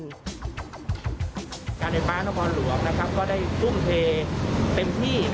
การไฟฟ้านครหลวงก็ได้ภูมิเทเต็มที่